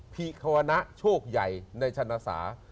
ภิครวนะโชคใหญ่ในชะนษา